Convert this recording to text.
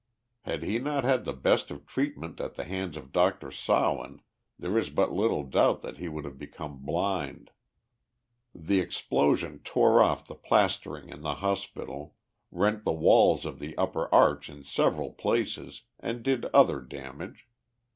Had he not had the best of treatment at the hands of Dr. Sawin there is but little doubt that he would have become blind. The explosion tore off' the plastering in the hospital, rent the walls of the upper arch in several places and did other damage.